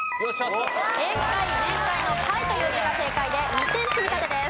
宴会面会の「会」という字が正解で２点積み立てです。